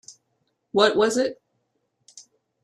What was it?